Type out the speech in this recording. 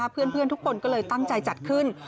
เพื่อนทุกคนก็เลยตั้งใจจัดขึ้น